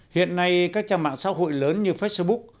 hiện nay các trang mạng xã hội lớn như facebook